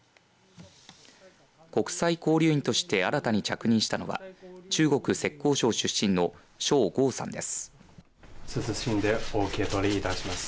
国際交流員として新たに着任したのは中国浙江省出身のショウ豪さんです。